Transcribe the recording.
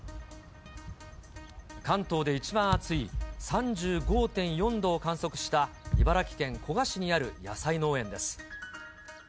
関東で一番暑い３５．４度を観測した、茨城県古河市にある野菜農園です。